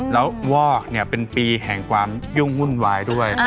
แล้ววอกเป็นปีแห่งความยุ่งวุ่นวายด้วย